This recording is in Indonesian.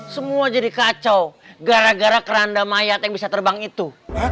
semua jadi kacau gara gara keranda mayat yang bisa terbang itu